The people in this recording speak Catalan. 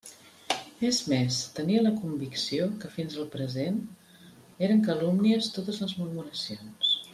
És més: tenia la convicció que fins al present eren calúmnies totes les murmuracions.